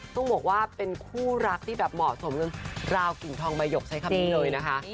ต้องบอกว่าเป็นคู่รักที่แบบเหมาะสมราวกิ่งทองใบหยกใช้คำนี้เลยนะคะ